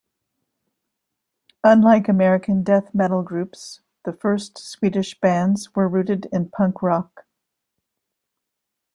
Unlike American death metal groups, the first Swedish bands were rooted in punk rock.